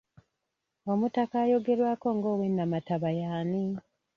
Omutaka ayogerwako nga ow'e Nnamataba y'ani?